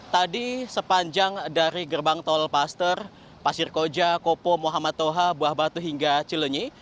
tadi sepanjang dari gerbang tol paster pasir koja kopo muhammad toha buah batu hingga cilenyi